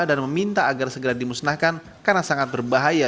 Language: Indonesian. dan meminta agar segera dimusnahkan karena sangat berbahaya